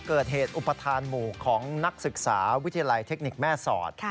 เกิดเหตุอุปธารหมู่ของนักศึกษาวิทยาลัยเทคนิคแม่สอด